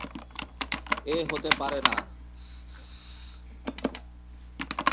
এ হতে পারে না!